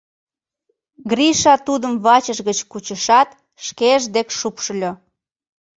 Гриша тудым вачыж гыч кучышат, шкеж дек шупшыльо.